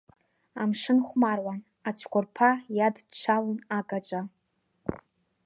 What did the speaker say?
Амшын хәмаруан, ацәқәырԥа иадҽҽалон агаҿа.